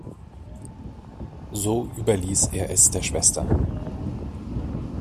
So überließ er es der Schwester.